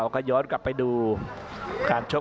อัศวินาศาสตร์